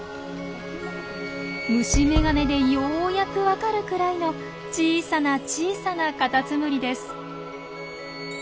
虫眼鏡でようやく分かるくらいの小さな小さなカタツムリです。